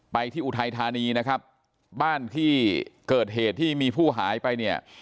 ที่อุทัยธานีนะครับบ้านที่เกิดเหตุที่มีผู้หายไปเนี่ย